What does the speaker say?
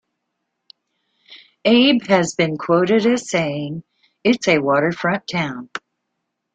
Abe had been quoted as saying, It's a waterfront town.